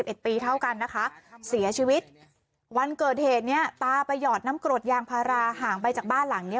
เอ็ดปีเท่ากันนะคะเสียชีวิตวันเกิดเหตุเนี้ยตาไปหยอดน้ำกรดยางพาราห่างไปจากบ้านหลังเนี้ย